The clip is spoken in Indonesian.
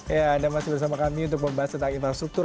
ya anda masih bersama kami untuk membahas tentang infrastruktur